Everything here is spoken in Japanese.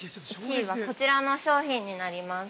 １位はこちらの商品になります。